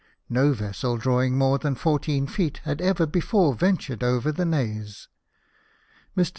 No vessel drawing more than fourteen feet had ever before ventured over the Naze. Mr.